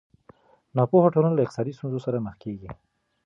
ناپوهه ټولنه له اقتصادي ستونزو سره مخ کېږي.